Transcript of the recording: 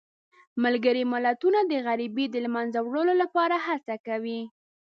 ملګري ملتونه د غریبۍ د له منځه وړلو لپاره هڅه کوي.